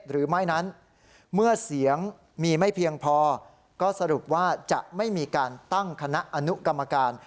หรือไม่นั้นเมื่อเสียงมีไม่เพียงพอก็สรุปว่าจะไม่มีการตั้งคณะอนุกรรมการ